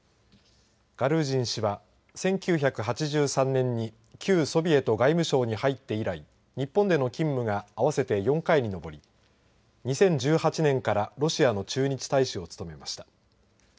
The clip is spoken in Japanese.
ガルージン氏は１９８３年に旧ソビエト外務省に入って以来日本でも勤務が合わせて４回に上り２０１８年からロシアの駐日大使を務めました。